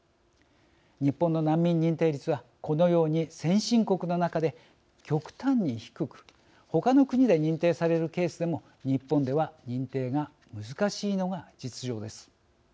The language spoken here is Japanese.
日本の難民認定率はこのように先進国の中で極端に低く他の国で認定されるケースでも日本では認定が難しいのが実情です。